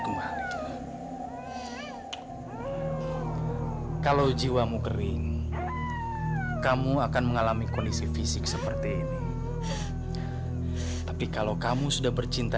kembali kalau jiwamu kering kamu akan mengalami kondisi fisik seperti ini tapi kalau kamu sudah bercinta